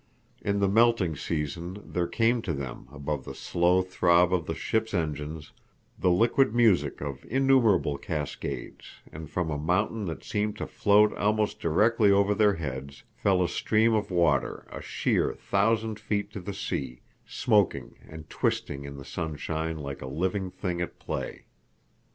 In this melting season there came to them above the slow throb of the ship's engines the liquid music of innumerable cascades, and from a mountain that seemed to float almost directly over their heads fell a stream of water a sheer thousand feet to the sea, smoking and twisting in the sunshine like a living thing at play.